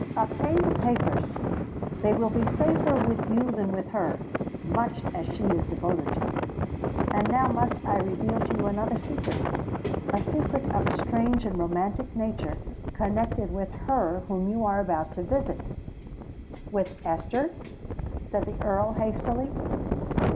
"Obtain the papers—they will be safer with you than with her, much as she is devoted to me. And now must I reveal to you another secret—a secret of a strange and romantic nature, connected with her whom you are about to visit——" "With Esther?" said the Earl hastily.